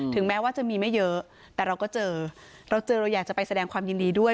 แม้ว่าจะมีไม่เยอะแต่เราก็เจอเราเจอเราอยากจะไปแสดงความยินดีด้วย